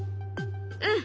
うん。